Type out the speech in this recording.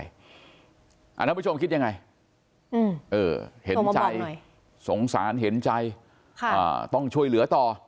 ท่านผู้ชมคิดยังไงเห็นใจสงสารเห็นใจต้องช่วยเหลือต่อ